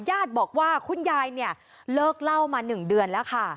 ญาติบอกว่าคุณยายเนี่ยเลิกเล่ามา๑เดือนแล้วค่ะ